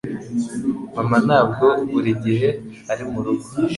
Mama ntabwo buri gihe ari murugo